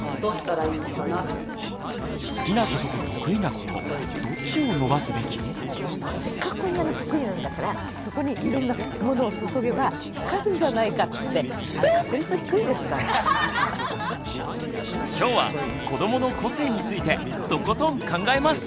「子どもの個性」を伸ばすにはせっかくこんなに得意なんだからそこにいろんなものを注げば光るんじゃないかってあれきょうは「子どもの個性」についてとことん考えます！